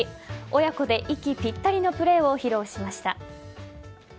親子で息ぴったりのプレーを披露しました。